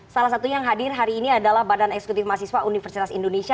salah satu yang hadir hari ini adalah badan eksekutif mahasiswa universitas indonesia